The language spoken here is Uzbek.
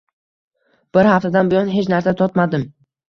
Bir haftadan buyon hech narsa totmadim